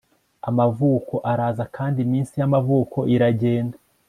Amavuko araza kandi iminsi yamavuko iragenda